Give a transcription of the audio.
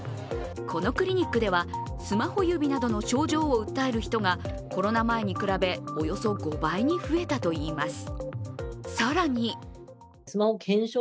このクリニックではスマホ指などの症状を訴える人がコロナ前に比べ、およそ５倍に増えたといいます。